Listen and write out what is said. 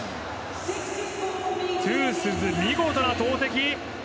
トゥースズ、見事な投てき。